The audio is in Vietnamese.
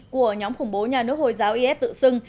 của nhóm khủng bố nhà nước hồi giáo is tự xưng